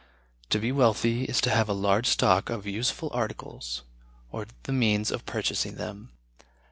To be wealthy is to have a large stock of useful articles, or the means of purchasing them.